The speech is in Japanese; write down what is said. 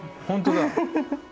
ほんとだ。